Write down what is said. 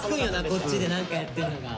こっちで何かやってんのが。